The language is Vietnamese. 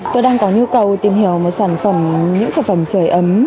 tôi đang có nhu cầu tìm hiểu một sản phẩm những sản phẩm sửa ấm